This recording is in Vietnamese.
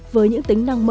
với những tính năng mở